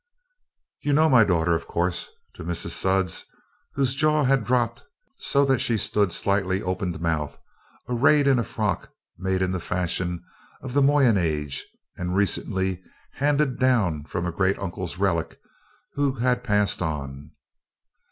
"You know my daughter, of course?" to Mrs. Sudds, whose jaw had dropped, so that she stood slightly open mouthed, arrayed in a frock made in the fashion of the Moyen age and recently handed down from a great uncle's relict who had passed on.